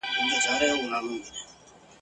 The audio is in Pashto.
د خان کشري لور ژړل ویل یې پلاره !.